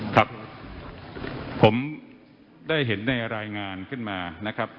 ครับผมได้เห็นในรายงานขึ้นมานะครับ